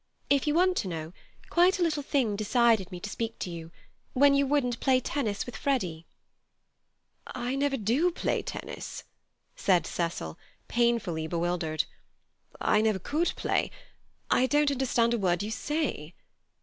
If you want to know, quite a little thing decided me to speak to you—when you wouldn't play tennis with Freddy." "I never do play tennis," said Cecil, painfully bewildered; "I never could play. I don't understand a word you say."